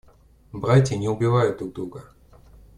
Братья не убивают друг друга.